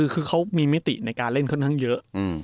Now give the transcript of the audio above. คือเขามีมิติในการเล่นค่อนข้างเยอะ